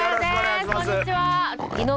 こんにちは。